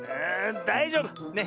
⁉だいじょうぶ。ね。